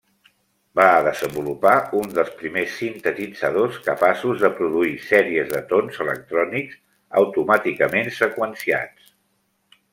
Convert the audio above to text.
Va desenvolupar un dels primers sintetitzadors capaços de produir sèries de tons electrònics automàticament seqüenciats.